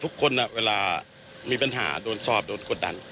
ทุกคนน่ะเวลามีปัญหาโดนทรอบโดนกดดัง